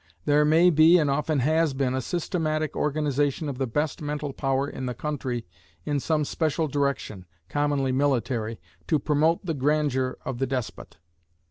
There may be, and often has been, a systematic organization of the best mental power in the country in some special direction (commonly military) to promote the grandeur of the despot.